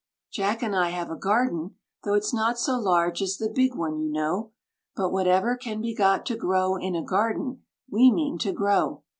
Jack and I have a garden, though it's not so large as the big one, you know; But whatever can be got to grow in a garden we mean to grow.